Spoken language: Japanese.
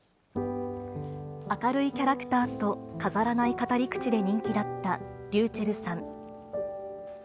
明るいキャラクターと飾らない語り口で人気だったｒｙｕｃｈｅｌｌさん。